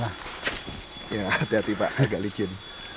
ya hati hati pak agak licin